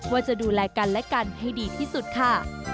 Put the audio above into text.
ว่าจะดูแลกันและกันให้ดีที่สุดค่ะ